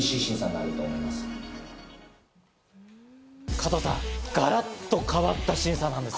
加藤さん、がらっと変わった審査なんです。